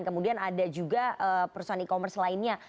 kemudian ada juga perusahaan e commerce lainnya